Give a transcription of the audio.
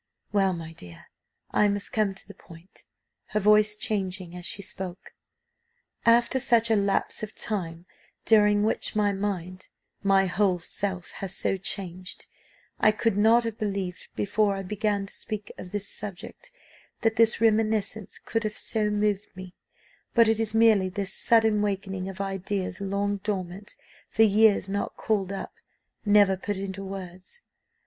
"Well, my dear, I must come to the point," her voice changing as she spoke. "After such a lapse of time, during which my mind, my whole self has so changed, I could not have believed before I began to speak on this subject, that these reminiscences could have so moved me; but it is merely this sudden wakening of ideas long dormant, for years not called up, never put into words.